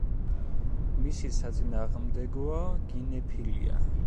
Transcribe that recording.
მისი საწინააღმდეგოა გინეფილია.